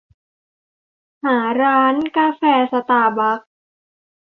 หาร้านกาแฟสตาร์บักส์